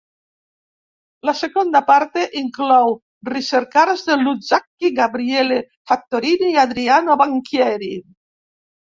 La "Seconda parte" inclou ricercars de Luzzaschi, Gabriele Fattorini i Adriano Banchieri.